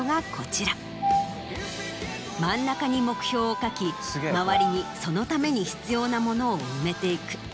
真ん中に目標を書き周りにそのために必要なものを埋めていく。